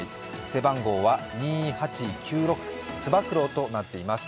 背番号は２８９６、ツバクロウとなっています。